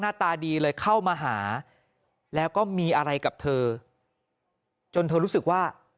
ตาดีเลยเข้ามาหาแล้วก็มีอะไรกับเธอจนเธอรู้สึกว่า